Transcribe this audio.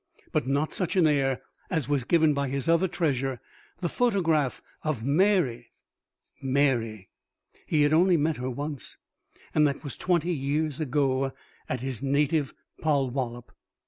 But not such an air as was given by his other treasure the photograph of Mary. Mary! He had only met her once, and that was twenty years ago, at his native Polwollop.